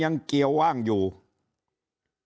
ยิ่งอาจจะมีคนเกณฑ์ไปลงเลือกตั้งล่วงหน้ากันเยอะไปหมดแบบนี้